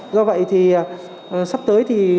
do vậy thì sắp tới thì